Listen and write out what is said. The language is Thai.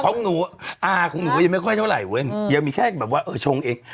ของหนูอาของหนูก็ยังไม่ค่อยเท่าไหรเว้ยยังมีแค่แบบว่าเออชงเอง